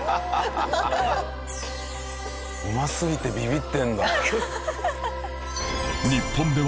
うますぎてビビってるんだ。